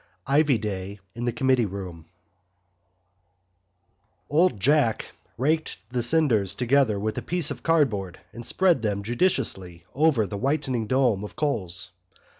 IVY DAY IN THE COMMITTEE ROOM Old Jack raked the cinders together with a piece of cardboard and spread them judiciously over the whitening dome of coals.